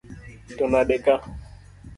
To nade ka